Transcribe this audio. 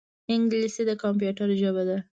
انګلیسي د کمپیوټر ژبه ده